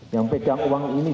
yang pegang uang itu